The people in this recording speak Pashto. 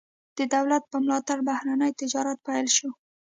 د دولت په ملاتړ بهرنی تجارت پیل شو.